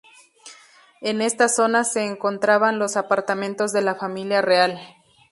En esta zona se encontraban los apartamentos de la familia real.